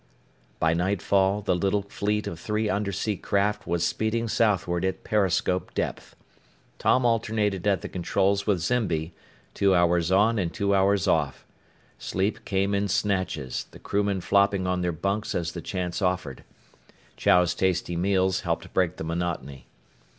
By nightfall the little fleet of three undersea craft was speeding southward at periscope depth. Tom alternated at the controls with Zimby, two hours on and two hours off. Sleep came in snatches, the crewmen flopping on their bunks as the chance offered. Chow's tasty meals helped break the monotony.